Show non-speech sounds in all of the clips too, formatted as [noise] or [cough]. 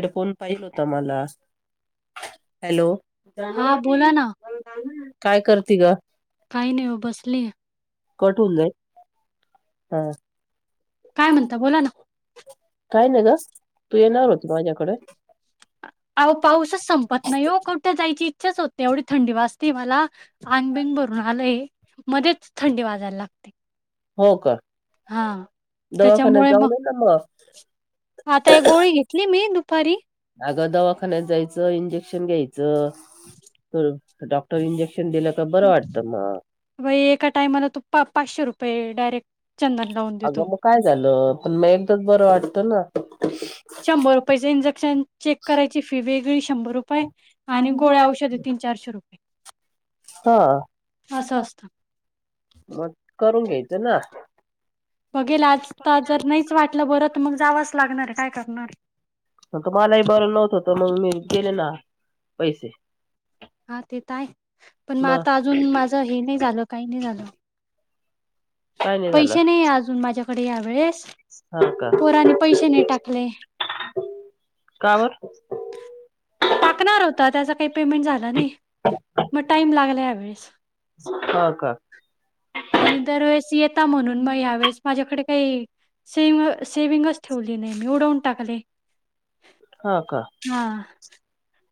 Headphone पाहिल होता मला हॅलो हा बोला ना काय करते ग काही नाही बसली कटून जाई हा काय म्हणत बोला ना काय नाही ग तू येणार होती माझ्याकडे अ पाऊसच संपत नाही हो कठ्या जायची होते एवढी थंडी वाजते मला आंगबिंग भरून आलंय मध्येच थंडी वाजते हजार लागतते हो का दवाखान्यात त्याच्यामुळे मग जाऊन ना मग आता एक गोळी घेतली मी दुपारी अगं दवाखान्यात जायचं इंजेक्शन घ्यायचं डॉक्टर इंजेक्श शिक् दिलं का बरं वाटतं मग व एका टाइमाला तू पा पाचशे रुपये डायरेक्ट चंदन लावून देतो अगं मग काय झालं पण मग एकदाच बरं वाटत ना शंभर रुपयाच इंजेक्शन चेक करायची फी वेगळी शंभर रुपये आणि गोळ्या औषधे तीन चारशे रु हा असं असत मग करून घ्यायच ना बघेल आज तर जर नाहीच वाटलं बरं तर मग जावच लागणार काय करणार त मलाही बरं नव्हत होत मग मी गेले ना पैसे हा ते तर आहे पण मग आता अजून माझ हे नाही झालं काही नाही झालं काय झालं पैसे नाही अजून माझ्याकडे यावेेळेस हा का पोराने पैसे नाही टाकले कावर टाकणार होता त्याचा काही पेमेंट झाला नाही मग टाइम लागला यावेेळेस का का आणि दरवेळेस येता म्हणून मगळेस माझ्याकडे काही स सेंग ठेवली नाही मी उडवून टाकले हा का हा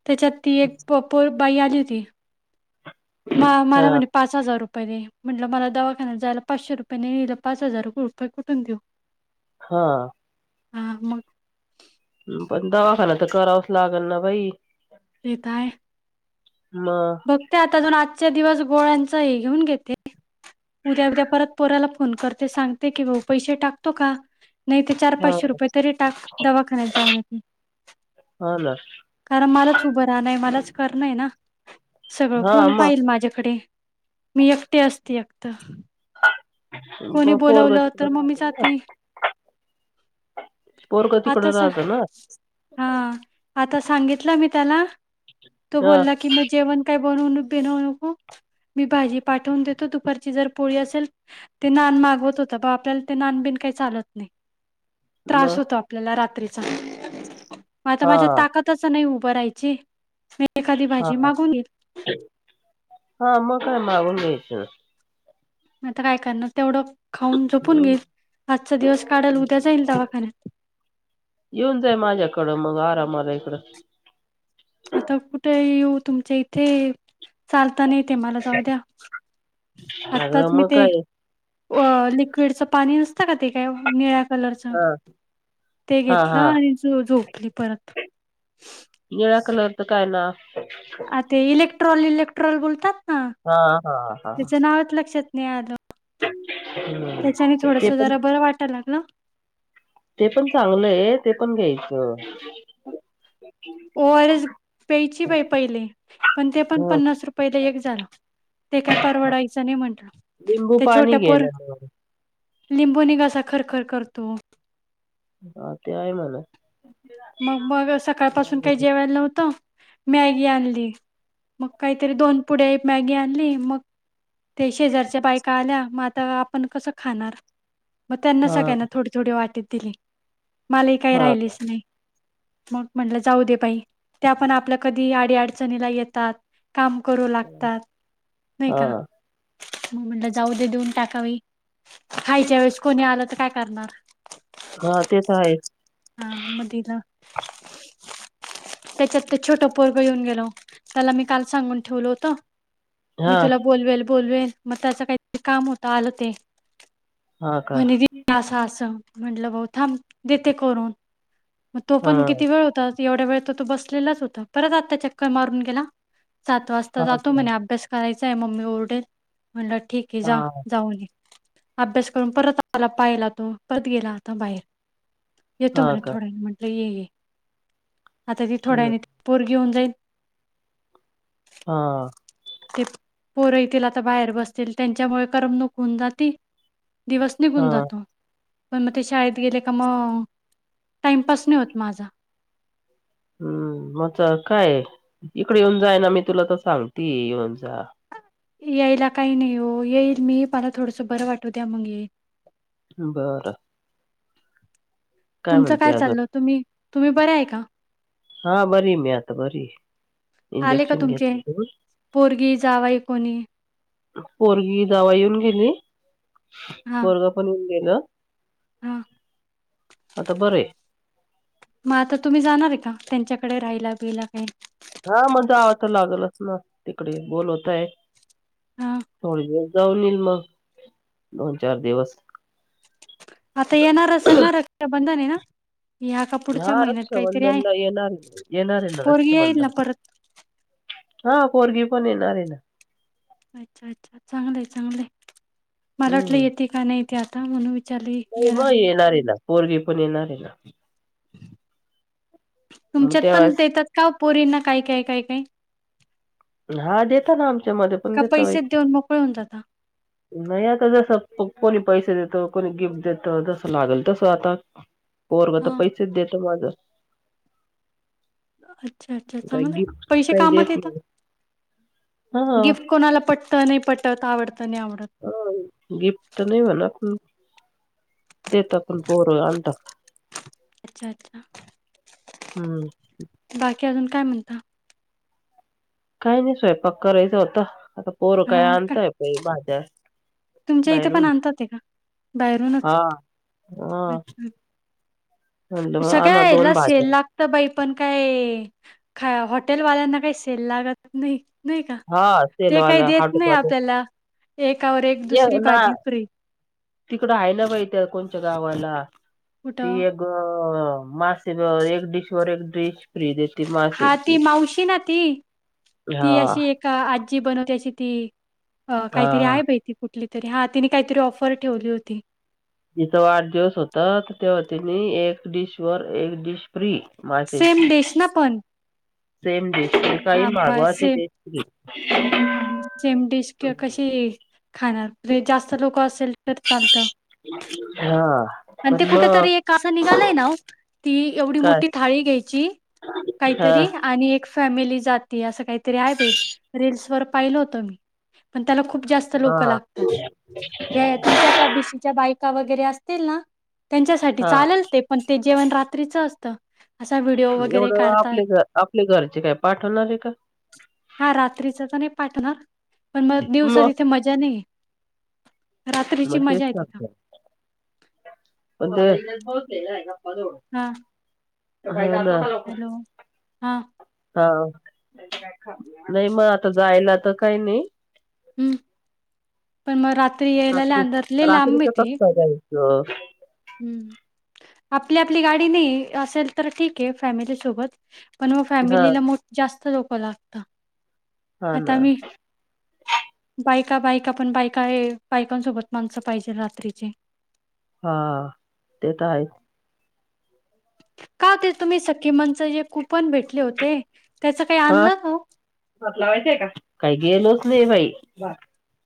त्याच्यात ती एक पपो बाई आली होती मला हा म्हणे पाच हजार रुपये रे म्हटलं मला दवाखान्यात जायला पाचशे रुपयाे नला पाच हजार रुपये कुठून देऊ हा हा मग पण दवाखाना तर करावच लागल ना बाई तेेतय म बघते आताजून आजच्या दिवस गोळ्यांच हे घेऊन घेते उद्या उद्या परत पोराला फोन करते सांगते की भाऊ पैसे टाकतो का नाही ते चार हा पाचशे रुपये तरी टाक दवाखान्यात जाऊन येत म हा ना कारण मलाच उभं राहण मलाच करणय ना सगळं हा कोण मग पाहिल माझ्याकडे मी एकटे असते एकत कोणी पोरग बोलावलं तिकड तर मम्मी राहत ना जाती पोरग तिकड आता स राहत ना हा आता सांगितलं मी त्याला तो हा बोलला की मग जेवण काय बनवू बनव नको मी भाजी पाठवून देतो दुपारची जर पोळी असेल ते नान मागवत होत बा आपल्याला ते नान बिन काही चालत नाही त्रास मग होतो आपल्याला रात्री मग आता हा माझ्या ताकदच नाही उभं राहायची मी एखादी हा भाजी मागून घेईल. हा मग मागून घ्यायचं. आता काय करणार तेवढं. खाऊन झोपून घे हम् आजचा दिवस काढाल उद्या जाईल दवाखान्यात येऊन जाय माझ्याकडं मग आरामाला इकडं. आता कुठे येऊ तुमच्या इथे चालता नाही ते मला जाऊ द्या. आताच अगं मी मग ते काय अ लिक्विडच पाणी नसत का ते काय निळ्या कलरचा हा ते हा घेतलं हा आणि झोपली परत. निळ्या कलरच काय ना. आ ते इलेक्ट्रॉल इलेक्ट्रॉल बोलतात. ना हा हा हा ह. त्याचं नावच [inaudible] त्याच्याने हम्म ते थोडस पण जरा बरं वाटायला लागला. ते पण चांगलंय ते पण घ्यायचं. हम्म! ओ आर एस प्याची बाई पहिले पण ते पण ह पन्नास रुपयला एक झालं. ते काय परवडायचं नाही म्हंटलं लिंबू ते पाणी छोट्या घे पोर ना मग लिंबून निघासा खरखर करतो. हा ते आहे मला. मग मग सकाळ पाासून काही जेवायला नव्हतं मॅगी आणली. मग काहीतरी दोन पुढे एक मॅगी आणली मग ते शेजारच्या बायका आल्या मग आपण कसं खाणार मग त्यांना हा सगळ्यांना थोडी थोडी वाटीत दिली. मलाही काही हा राहिलीच नाही. मग म्हटलं जाऊ दे बाई त्या पण आपल्या कधी आडी अडचणीला येतात. काम करू लागतात नाही हा का मग म्हण. जाऊ दे देऊन टाकावी खायच्या वेळेस कोणी आलं तर काय करणार. हा तेच आहे. हा [inaudible] त्याच्यात ते छोट पोरग येऊन गेलो त्याला मी काल सांगून ठेवल होत. हा मी तुला बोलवेल बोलवेल मग त्याच काहीतरी काम होत आलं ते. हा का म्हणें असं म्हंटलं भाऊ थांब देते करून. मग तो हा पण किती वेळ होता एवढ्या वेळ तो तो बसलेलाच होता परत आता चक्कर मारून गेला. सात वाजता हा जातो का म्हणे अभ्यास करायचा आहे मम्मी ओरडेल. म्हणलं ठीक आहे हा जा जाऊ घ अभ्यास करून परत. त्याला पायला तो परत गेला आता बाहेर येतो हा म्हला का थोडा म्हंटलं ये. आता ती हम्म थोड्याने त पोर घेऊन जाईल. हा. ते पोर येतील आता बाहेर बसतील त्यांच्यामुळे करमणूक होऊन जाते. दिवस हा निघून जातो. पण मग ते शाळेत गेले का मग टाइमपास नाही होत माझा. हम्म म काय इकडे येऊन जाय ना मी तुला तर सांगती येऊन जा. यायला काही नाही हो येईल मी मला थोडसं बरं वाटव द्या मग ये. बरं. तुमचं म्हणते काय अजून चाललं तुम्ही तुम्ही बरं आहे का? हा बरी मी आता बरी. आले का इंजेक्शन तुमचे घेतलं पोरगी जावाई कोणी? पोरगी जावई येऊन गेली हा पोरग पण येऊन गेलं. हा. आता बरं आहे मग आता तुम्ही जाणार आहे का? त्यांच्याकडे राहिला बिला काही. हा मज आवा तर लागलच ना तिकडे बोलवताय हा पोरग जाऊ नल मग दोन चार दिवस आता येणार असेलणार रस्ता बंद नाही ना या का पुढच्या ह महिन्यात काहीतरी आहे रक्षाबंधनला येणार येणारे ना पोरगी येईल ना रक्षाबंधन परत हा पोरगी पण येणार आहे ना अच्छा अच्छा चांगलं हाय चांगल हाय मला वाटलं हम्म येते का नाही ते आता म्हणून नाही मग येणार आहे ना पोरगी पण येणार आहे ना मग तुमच्यात तेव्हा पण देतात का पोरींना काय काय काय काय हा देता ना आमच्या मध्ये पण का देता बाई पैसेच देऊन मोकळ होऊन जाता नाही आता जसं कोणी पैसे देत कोणी गिफ्ट देत जसं लागल तस आता पोरग तर हा पैसेच देत माझं अच्छा अच्छा काही चांगलं गिफ्ट पैसे काही कामात देत येत नाही हा गिफ्ट कोणाला पटत नाही पटत आवडत नाही हा गिफ्ट तर नाही म्हणा--् देेतात पण पोर आणता अच्छा अच्छा हम्म. बाकी अजून काय म्हणता? काही नाही स्वयंपाक करायचं आता पोरं काय हा का आणताय भाज्या तुमच्या इथे पण बाहेरून आणतात ते का बाहेरूनच हा हा अच्छा म्हणलं मग आणा सगळ्याला दोन भाज्या सेल लागत बाई पण काय खा हॉटेलवाल्यांना काही सेल लागत नाही नाही का हा ते काही सेलवाला देत नाही आव हॉटेलवाले त्याला एक और एक दुसरी भाजी फ्री तिकड आहे ना बाई त्या कोणच्या गावाला ती कुठं एक अ मासेवर एक डिश वर एक डिश फ्री देते हा ती मासेची मावशी ना ती हा ती अशी ए आजी बनवते अशी ती अ काहीतरी हा आहे बाहि ती कुठ तरी हा तिने काहीतरी ऑफर ठेवली होती जिथ वाढदिवस होत तेव्हा तीने एक डिश वर एक डिश फ्री मासेची सेम डेश ना पण सेम डिश ती काही हा ब मागवा ती सेम डिश फ्री हा सेम डिश किं कशी खाणार जास्त लोक असेल तर चालत हा. आणि ते पण मग कुठेतरी एक कासा निघालाय ना ती एवढी काय मोठी थाळी घ्यायची हा काहीतरी आणि एक फॅमिली जाती असं काहीतरी आहे बाई रील्सवर पाहिलं होतं मी पण त्याला खूप जास्त हा लोक लागतात बाया तेन जातात बाय वगैरे असतील ना त्यांच्यासाठी हा चालेल ते पण ते जेवण रात्रीच असतं असा व्हिडिओ वगैरे एवढं काढताय आपले घर आपले घरचे काय पाठवणार आहे का हा रात्रीच तर नाही पाच पण मग दिवसात इथे मजा नाही रात्रीची बचत मजा आहे तिथं करतात काय बोल हा [unintelligible] हॅलो हा हा नाही मग आता जायला तर काही नाही हम्म पण मग रात्री यायला आंधरली लांब येती ह हम्म आपली आपली गाडी नाही असेल तर ठीक आहे फॅमिली सोबत पण मग हा फॅमिलीला जास्त लोक लागतात हा आता ना मी बाईक का बाईक आपण बाईक आहे बायकांसोबत माणस पाहिजे रात्रीची हा ते तर आहे का ते तुम्ही सखी म्हणच खूप पण भेटले होते त्याच काही हा आणलं हो काही गेलोच नाही बाई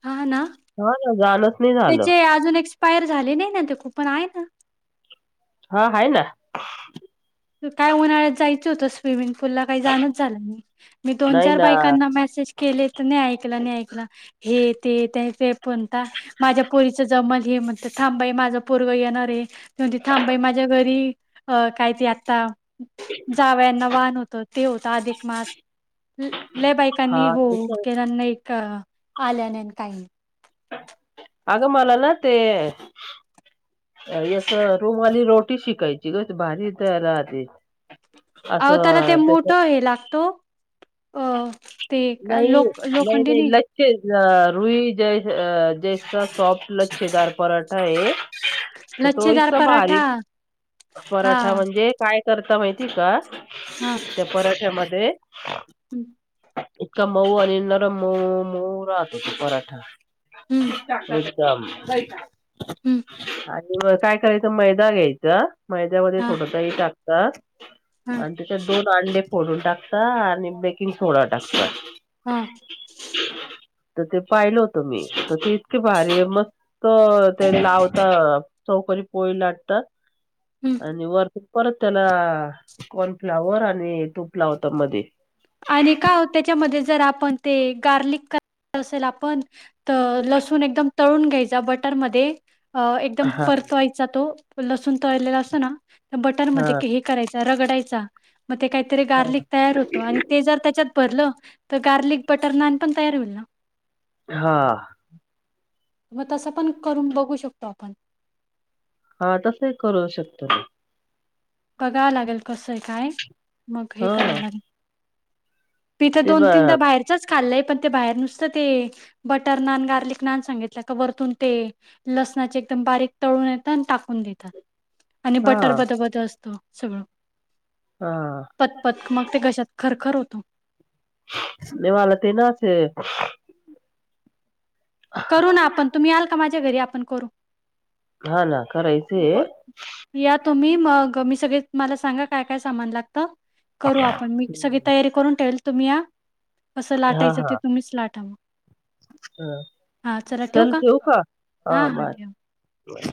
हा ना हा ना जाणच नाही झालं त्याचे अजून एसयर झाले नाही ना तेू पण आहे ना हा आहे ना काय उन्हाळ्यात जायचं होतं स्विमिंग म दो च नाही बा ना म ऐ तेण माझ्या पोरी जमल माझ पोरग येणारे ते त थांबाई माझ्या घरी अ कायती आता जावयाना वान होत ते होतं अधिक मास लले हा बाईकांनी हो त्याच्या केलाना आल्या नाही काही नाही अगमाला ना ते अ रुमाली रोटी शिकायची ग भारी तर राहते अह त्याला ते असं त्याच्या मोठं हे लागतो अ ते नाही लोक नाही लोखंडी नाही लचचे रुई अ जैस सॉफ्ट लच्छेदार परराठा है तर तो लच्छेदार इतका पराठा भारीक हा पराठा म्हणजे काय करता माहि ठी का हा त्या पराठ्यामध्ये हम्म इतका मऊ आणि नरम मऊ मऊ राहत त पराठा च हम् काय करायचं मैदा घ्यायचा मैद्यामध्ये हा थोडंसही टाकतात हा आणि त्याच्यात दोन अंडे फोडून टाकता आणि बेकिंग सोडा टाकता हा तर ते पाहिलं होतं मी तर ते इतके भारी मस्त ते लावता चौकरी पोळी हम्म लाटतात आणि वर परत त्याला कॉर्नफ्लावर आणि तुपला होता मध्ये आणि का त्याच्यामध्ये जर आपण ते गार्लिक क असेल आपण तर लसूण एकदम तळून घ्यायचा बटरमध्ये अ एकदम हा परतवायचा तो तो लसूण तळलेला असतो ना तर हा बटरमध्येध्ये हे करायचा रगडायचा मग ते काहीतरी गार्लिक तयार होतो आणि ते जर त्याच्यात भरल तर गार्लिक बटर नान पण तयार होईल ना हा मग तसं पण करून बघू शकतो आपण हा तस करू शकतो बघावं लागेल कसंय काय मग हे हा करावं लागेल तिथं ते ब दोन तीनदा बाहेरच खाल् पण ते बाहेर नुसत ते बटर नान गार्लिक नान सांगित का वतून ते ना एकदम बारीक तळून येतात आणि टाकून देतात आणि हा बटर बद बद असत सगळं हा पतपत मग ते घशात खरखर होतो सुनेवा ते ना अस करू ना आपण तुम्ही आल का माझ्या घरी आपण करू हा ना करायचे ब या तुम्ही मग मी सगळे मला सांगा काय काय सामान लागत करू आपण मी सगळी तयारी करून ठेल तुम्ही या कसं लाटायचं ते तुम्हीच लाटा मग ह हा चला ठेवू सल ठव का हा हां, हां बाय ठेवा. बाय